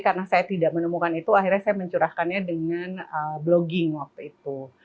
karena kalau saya tidak menemukan itu akhirnya saya mencurahkannya dengan blogging waktu itu